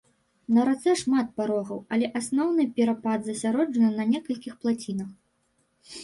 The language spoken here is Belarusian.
На рацэ шмат парогаў, але асноўны перапад засяроджаны на некалькіх плацінах.